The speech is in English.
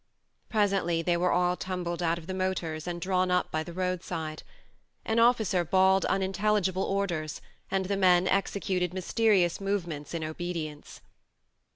... Presently they were all tumbled out of the motors and drawn up by the roadside. An officer bawled un intelligible orders, and the men exe cuted mysterious movements in obedi ence.